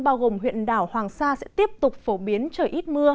bao gồm huyện đảo hoàng sa sẽ tiếp tục phổ biến trời ít mưa